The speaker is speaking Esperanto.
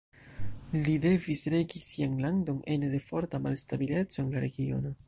Li devis regi sian landon ene de forta malstabileco en la regiono.